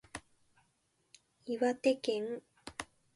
岩手県葛巻町